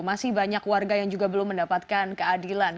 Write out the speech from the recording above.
masih banyak warga yang juga belum mendapatkan keadilan